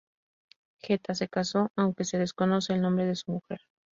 Geta se casó, aunque se desconoce el nombre de su mujer.